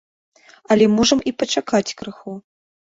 Але можам і пачакаць крыху.